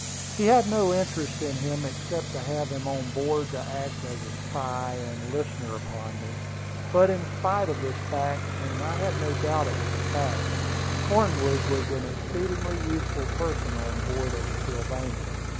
He had no interest in him, except to have him on board to act as a spy and listener upon me. But in spite of this fact and I had no doubt it was a fact Cornwood was an exceedingly useful person on board of the Sylvania.